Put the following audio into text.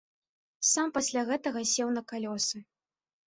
Сам пасля гэтага сеў на калёсы.